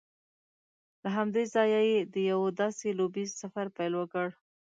له همدې ځایه یې د یوه داسې لوبیز سفر پیل وکړ